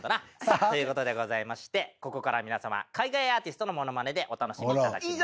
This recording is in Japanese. ということでございましてここから皆さま海外アーティストの物まねでお楽しみいただきましょう。